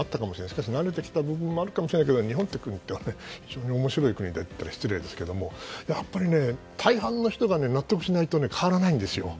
しかし、慣れてきた部分もあるかもしれないけど日本という国は面白い国でやっぱり大半の人が納得しないと変わらないんですよ。